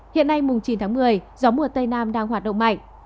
hiện nay mùng chín tháng một mươi gió mùa tây nam đang hoạt động mạnh